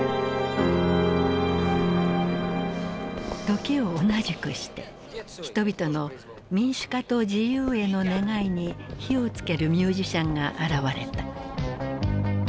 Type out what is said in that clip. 時を同じくして人々の民主化と自由への願いに火を付けるミュージシャンが現れた。